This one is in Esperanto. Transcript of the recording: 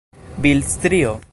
bildstrio